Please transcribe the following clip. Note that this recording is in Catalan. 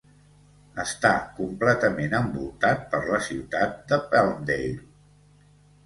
Està completament envoltat per la ciutat de Palmdale.